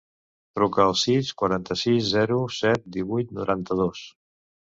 Truca al sis, quaranta-sis, zero, set, divuit, noranta-dos.